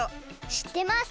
しってます！